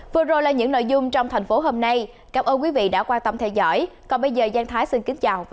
vừa rồi là những nội dung trong thành phố hôm nay cảm ơn quý vị đã quan tâm theo dõi còn bây giờ giang thái xin kính chào và hẹn gặp lại